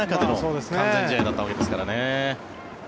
完全試合だったわけですからね。